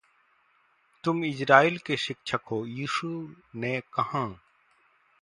"तुम इज़राइल के शिक्षक हो," यीशु ने कहाँ।"